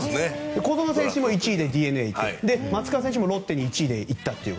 小園選手も１位でＤｅＮＡに行って松川選手もロッテに１位で行ったという。